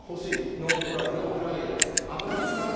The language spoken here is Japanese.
ノンフライヤーですね。